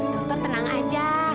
dokter tenang aja